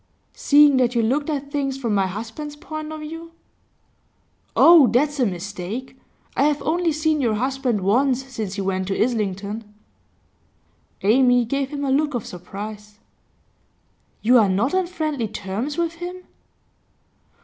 'Seeing that you looked at things from my husband's point of view?' 'Oh, that's a mistake! I have only seen your husband once since he went to Islington.' Amy gave him a look of surprise. 'You are not on friendly terms with him?